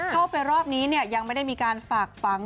เข้าไปรอบนี้ยังไม่ได้มีการฝากฝัง